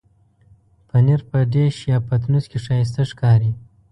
پنېر په ډش یا پتنوس کې ښايسته ښکاري.